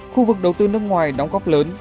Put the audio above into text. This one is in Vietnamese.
khu vực đầu tư nước ngoài đóng góp lớn